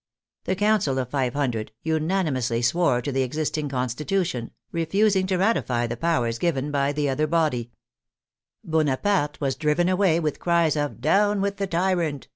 The " Council of Five Hundred " unanimously swore to the existing Constitution, refusing to ratify the powers given END OF THE FRENCH REVOLUTION 109 by the other body. Bonaparte was driven away with cries of " Down with the tyrant